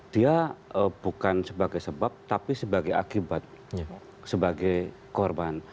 dia bukan sebagai sebab tapi sebagai akibat sebagai korban